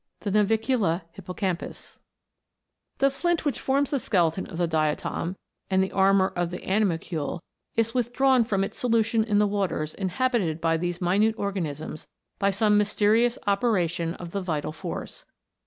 * The flint which forms the skeleton of the diatom, and the armour of the animalcule, is withdrawn from its solution in the waters inhabited by these minute organisms by some mysterious operation of the vital force.